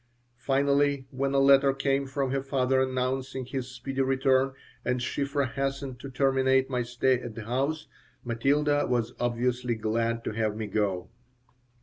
Finally when a letter came from her father announcing his speedy return and Shiphrah hastened to terminate my stay at the house, Matilda was obviously glad to have me go.